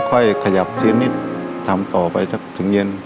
ค่อยขยับเสียนิดทำต่อไปสักถึงเย็น